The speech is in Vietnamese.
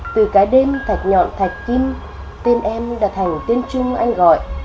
từ cái đêm thạch nhọn thạch kim tên em đã thành tên chung anh gọi